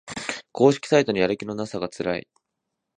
公式サイトのやる気のなさがつらい